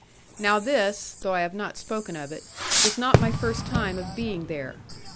Now this (though I have not spoken of it) was not my first time of being there.